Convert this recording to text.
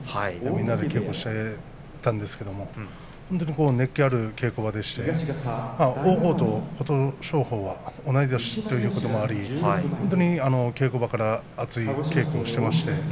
みんなで稽古をしていましたが本当に熱気ある稽古場でして王鵬と琴勝峰は同じ年ということもあって本当に稽古場から熱い稽古をしていました。